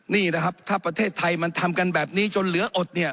นี่นะครับถ้าประเทศไทยมันทำกันแบบนี้จนเหลืออดเนี่ย